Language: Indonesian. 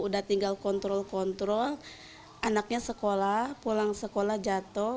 udah tinggal kontrol kontrol anaknya sekolah pulang sekolah jatuh